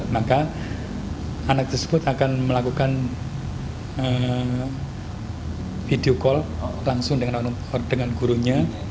maka anak tersebut akan melakukan video call langsung dengan gurunya